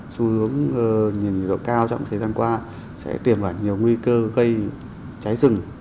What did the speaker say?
xu hướng nhìn độ cao trong thời gian qua sẽ tuyển vào nhiều nguy cơ gây trái rừng